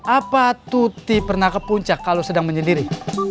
apa tuti pernah ke puncak kalau sedang menyendiri